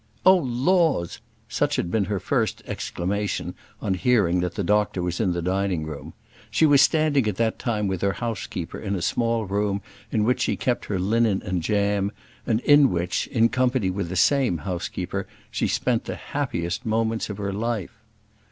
"Oh, laws!" Such had been her first exclamation on hearing that the doctor was in the dining room. She was standing at the time with her housekeeper in a small room in which she kept her linen and jam, and in which, in company with the same housekeeper, she spent the happiest moments of her life.